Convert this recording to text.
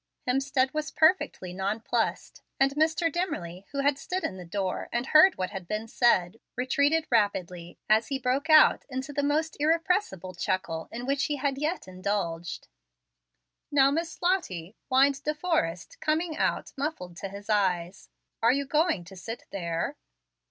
Hemstead was perfectly nonplussed, and Mr. Dimmerly, who had stood in the door and heard what had been said, retreated rapidly, as he broke out into the most irrepressible chuckle in which he had yet indulged. "Now, Miss Lottie," whined De Forrest, coming out muffled to his eyes, "are you going to sit there?"